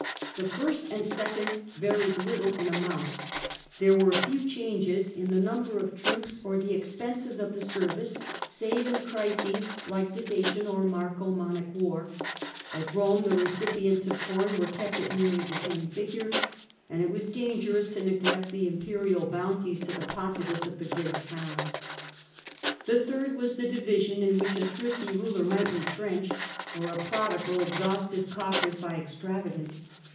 The first and second varied liitle in amount ; there were few changes in the number of troops or the expenses of the service save in crises like the Dacian or Marcomannic war j at Rome the recipients of com were kept at nearly the same figure, and it was dangerous to neglect the impei; ial bounties to the populace of the great CH. IX. Administrative Forms of Government. 205 towns. The third was the division in which a thrifty ruler might retrench, or a prodigal exhaust his coffers by ex travagance.